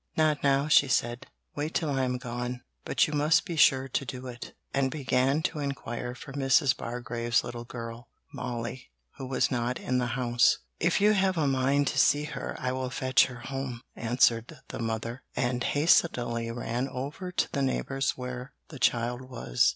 'Not now,' she said; 'wait till I am gone; but you must be sure to do it,' and began to inquire for Mrs. Bargrave's little girl, Molly, who was not in the house. 'If you have a mind to see her, I will fetch her home,' answered the mother, and hastily ran over to the neighbour's where the child was.